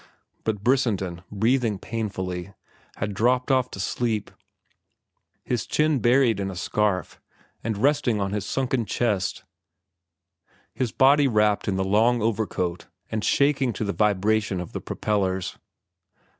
But Brissenden, breathing painfully, had dropped off to sleep, his chin buried in a scarf and resting on his sunken chest, his body wrapped in the long overcoat and shaking to the vibration of the propellers.